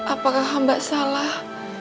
apakah hamba salah